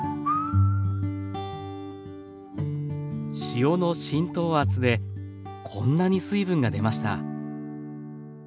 塩の浸透圧でこんなに水分が出ました。